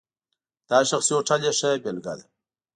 دا شخصي هوټل یې ښه بېلګه ده.